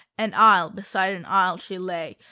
An isle beside an isle she lay.